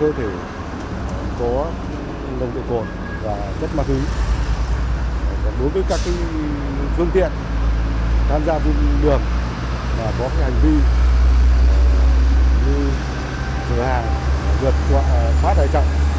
có hành vi như chợ hàng vượt quá đại trọng